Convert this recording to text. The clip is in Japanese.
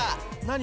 何？